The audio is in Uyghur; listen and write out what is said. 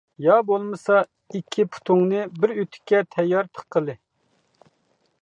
يا بولمىسا ئىككى پۇتۇڭنى، بىر ئۆتۈككە تەييار تىققىلى.